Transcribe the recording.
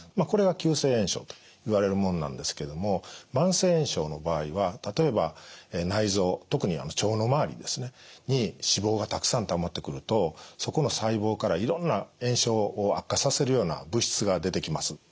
これは急性炎症といわれるものなんですけども慢性炎症の場合は例えば内臓特に腸の周りですねに脂肪がたくさんたまってくるとそこの細胞からいろんな炎症を悪化させるような物質が出てきます。